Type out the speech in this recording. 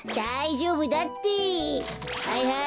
はいはい。